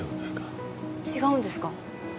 違うんですか！？